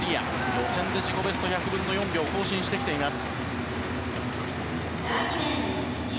予選で自己ベストを１００分の４秒更新しています。